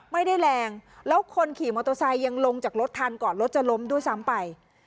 ไม่ได้แรงแล้วคนขี่มอเตอร์ไซค์ยังลงจากรถทันก่อนรถจะล้มด้วยซ้ำไป